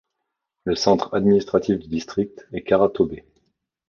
Le centre administratif du district est Karatobe.